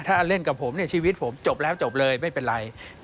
ถ้าเล่นกับผมชีวิตผมจบแล้วจบเลยไม่เป็นไร